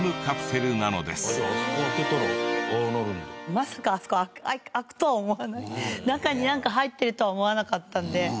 まさかあそこ開くとは思わない中になんか入ってるとは思わなかったんで。